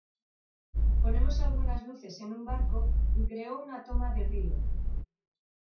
Ponemos algunas luces en un barco, y creó una toma de río.